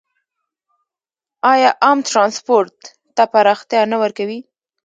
آیا عام ټرانسپورټ ته پراختیا نه ورکوي؟